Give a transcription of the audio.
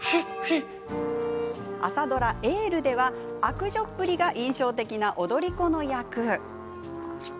朝ドラ「エール」では悪女っぷりが印象的な踊り子の役。